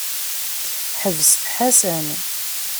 Ḥebset Ḥasan.